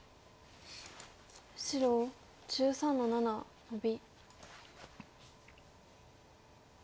白１３の七ノビ。